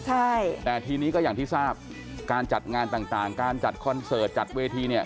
ใช่แต่ทีนี้ก็อย่างที่ทราบการจัดงานต่างการจัดคอนเสิร์ตจัดเวทีเนี่ย